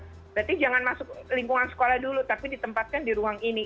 berarti jangan masuk lingkungan sekolah dulu tapi ditempatkan di ruang ini